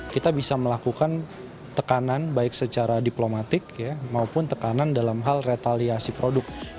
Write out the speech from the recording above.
kita bisa melakukan tekanan baik secara diplomatik maupun tekanan dalam hal retaliasi produk